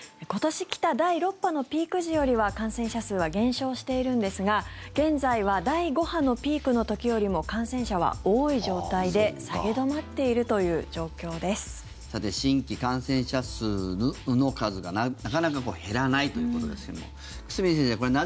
今年来た第６波のピーク時よりは感染者数は減少しているんですが現在は第５波のピークの時よりも感染者は多い状態で下げ止まっているという状況です。